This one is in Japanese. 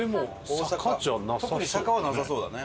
特に坂はなさそうだね。